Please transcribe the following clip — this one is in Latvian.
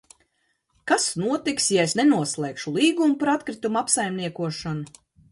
Kas notiks, ja es nenoslēgšu līgumu par atkritumu apsaimniekošanu?